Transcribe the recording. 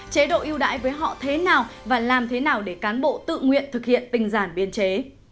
chế độ yêu đại với họ thế nào và làm thế nào để cán bộ tự nguyện thực hiện tinh giản biên chế